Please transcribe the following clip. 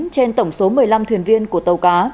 trên tổng số một mươi năm thuyền viên của tàu cá